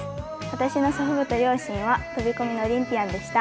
私の祖父母と両親は飛込のオリンピアンでした。